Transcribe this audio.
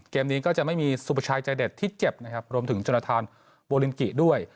เกมนี้ก็จะไม่มีสุประชายใจเด็ดที่เจ็บนะครับรวมถึงจนทานโบลิมกิด้วย